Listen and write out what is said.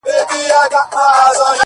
• پردېسي خواره خواري ده وچوي د زړګي وینه,